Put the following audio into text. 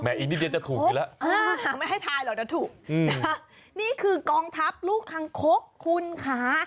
แม้อีกนิดเดียวจะถูกกินแล้วเออหาไม่ให้ทายหรอกจะถูกนี่คือกองทัพลูกทางคกคุณค่ะ